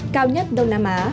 cao nhất đông nam á